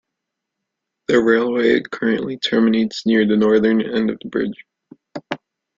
The railway currently terminates near the northern end of the bridge.